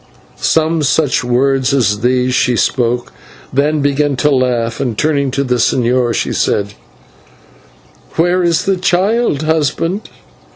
Some such words as these she spoke, then began to laugh, and turning to the señor, she said, "Where is the child, husband?"